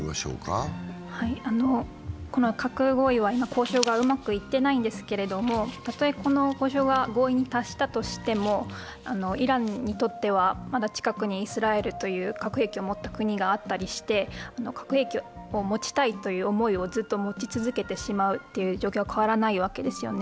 核合意は今、交渉がうまくいっていないんですけれども、たとえこの交渉が合意に達したとしてもイランにとってはまだ近くにイスラエルという核兵器を持った国があったりして核兵器を持ちたいという思いをずっと持ち続けてしまうという状況は変わらないわけですよね。